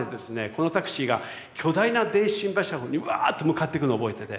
このタクシーが巨大な電信柱のほうにうわぁと向かっていくのを覚えてて。